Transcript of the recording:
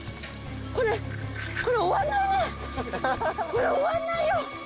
これ終わんないよ。